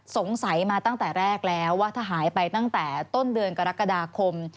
สงสัยมาตั้งแต่แรกแล้วว่าถ้าหายไปตั้งแต่ต้นเดือนกรกฎาคม